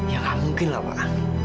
ya nggak mungkin lah pak